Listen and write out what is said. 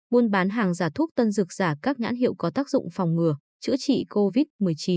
buôn bán hàng giả thuốc tân dược giả các nhãn hiệu có tác dụng phòng ngừa chữa trị covid một mươi chín